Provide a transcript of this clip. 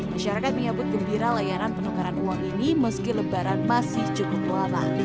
masyarakat menyambut gembira layanan penukaran uang ini meski lebaran masih cukup lama